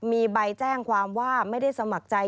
มีใบแจ้งความว่าไม่ได้สมัครใจ